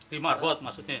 di marbot maksudnya